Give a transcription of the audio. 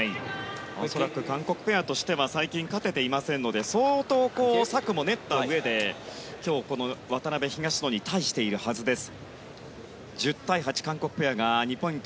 恐らく韓国ペアとしては最近、勝てていませんので相当、策も練ったうえで今日、渡辺、東野に対しているはずです。